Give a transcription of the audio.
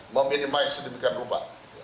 meminimais sedemikian rupa